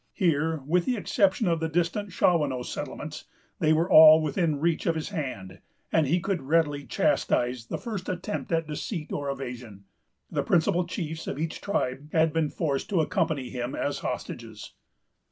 Here, with the exception of the distant Shawanoe settlements, they were all within reach of his hand, and he could readily chastise the first attempt at deceit or evasion. The principal chiefs of each tribe had been forced to accompany him as hostages.